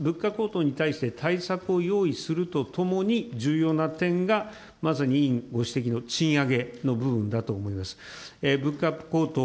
しかし、物価高騰に対して対策を用意するとともに、重要な点がまさに委員ご指摘の賃上げの部分だと思います。